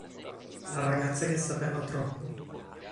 La ragazza che sapeva troppo